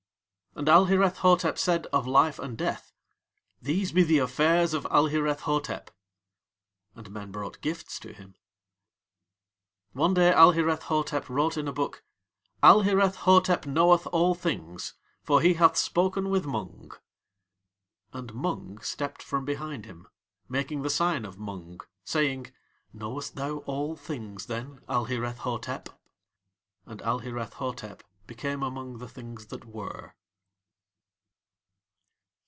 And Alhireth Hotep said of Life and Death: "These be the affairs of Alhireth Hotep." And men brought gifts to him. One day Alhireth Hotep wrote in a book: "Alhireth Hotep knoweth All Things, for he hath spoken with Mung." And Mung stepped from behind him, making the sign of Mung, saying: "Knowest thou All Things, then, Alhireth Hotep?" And Alhireth Hotep became among the Things that Were.